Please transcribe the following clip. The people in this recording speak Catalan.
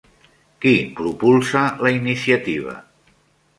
Qui propulsa la iniciativa?